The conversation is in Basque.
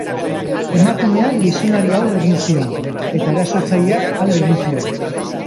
Emakumeak gizonari aurre egin zion, eta erasotzaileak alde egin zuen.